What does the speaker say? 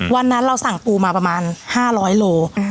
วันนั้นเราสั่งปูมาประมาณ๕๐๐โล